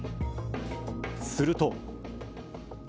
すると。